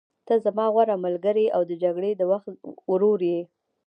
ته زما غوره ملګری او د جګړې د وخت ورور یې.